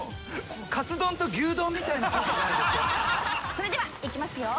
それではいきますよ。